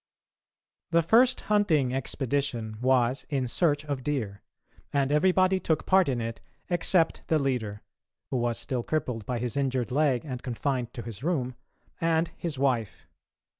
The first hunting expedition was in search of deer, and everybody took part in it except the leader, who was still crippled by his injured leg and confined to his room, and his wife.